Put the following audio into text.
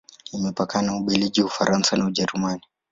Imepakana na Ubelgiji, Ufaransa na Ujerumani.